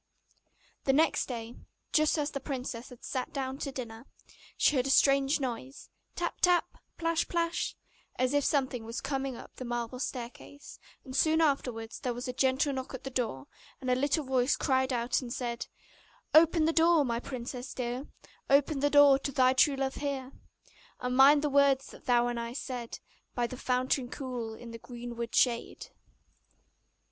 The next day, just as the princess had sat down to dinner, she heard a strange noise tap, tap plash, plash as if something was coming up the marble staircase: and soon afterwards there was a gentle knock at the door, and a little voice cried out and said: 'Open the door, my princess dear, Open the door to thy true love here! And mind the words that thou and I said By the fountain cool, in the greenwood shade.